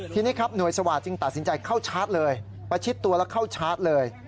ทีนี้ครับหน่วยสวาสจึงตัดสินใจเข้าชาร์จเลยประชิดตัวแล้วเข้าชาร์จเลย